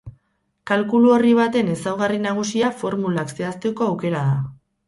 Kalkulu-orri baten ezaugarri nagusia formulak zehazteko aukera da.